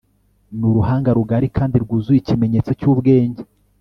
n'uruhanga rugari kandi rwuzuye, ikimenyetso cyubwenge